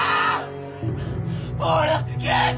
暴力刑事！